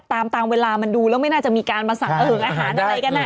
ตามตามเวลามันดูแล้วไม่น่าจะมีการมาสั่งอาหารอะไรกันอ่ะ